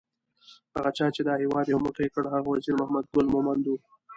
هغه چا چې دا هیواد یو موټی کړ هغه وزیر محمد ګل مومند وو